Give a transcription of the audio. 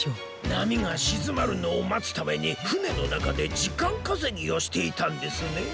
なみがしずまるのをまつためにふねのなかでじかんかせぎをしていたんですねえ。